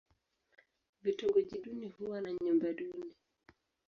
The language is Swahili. Vitongoji duni huwa na vyumba duni.